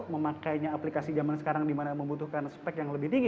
memakainya aplikasi zaman sekarang dimana membutuhkan spek yang lebih tinggi